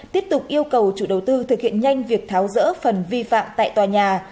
tiếp tục yêu cầu chủ đầu tư thực hiện nhanh việc tháo rỡ phần vi phạm tại tòa nhà